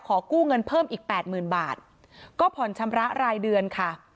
กู้เงินเพิ่มอีกแปดหมื่นบาทก็ผ่อนชำระรายเดือนค่ะ